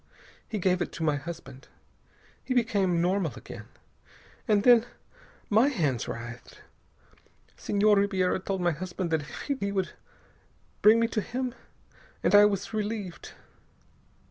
He gave it to my husband. He became normal again. And then my hands writhed. Senhor Ribiera told my husband that if he would bring me to him.... And I was relieved.